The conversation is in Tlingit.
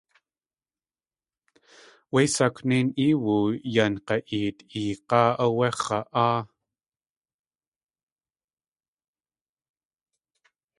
Wé sakwnéin éewu yan g̲a.eet eeg̲áa áwé x̲a.áa.